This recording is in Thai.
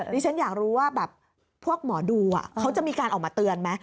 ดิฉันอยากรู้ว่าแบบพวกหมอดูเขาจะมีการออกมาเตือนไหม